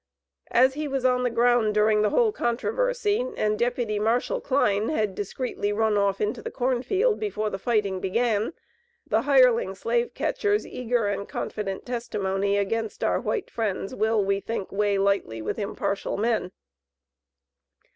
As he was on the ground during the whole controversy, and deputy Marshall Kline had discreetly run off into the corn field, before the fighting began, the hireling slave catcher's eager and confident testimony against our white friends, will, we think, weigh lightly with impartial men.